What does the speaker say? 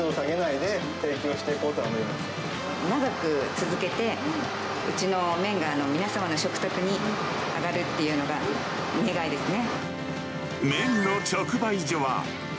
今までね、うちの麺が皆様の食卓に上がるっていうのが、願いですね。